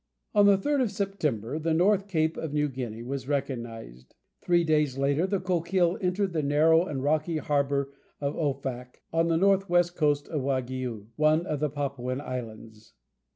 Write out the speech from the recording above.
On the 3rd of September the north cape of New Guinea was recognized. Three days later the Coquille entered the narrow and rocky harbour of Offak on the north west coast of Waigiou, one of the Papuan islands.